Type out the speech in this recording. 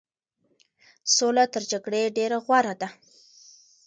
سوله تر جګړې ډېره غوره ده.